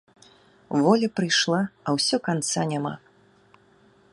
Воля прыйшла, а ўсё канца няма.